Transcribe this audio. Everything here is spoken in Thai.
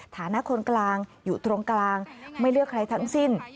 ฐานะคนกลางอยู่ตรงกลางไม่เลือกใครทั้งสิ้น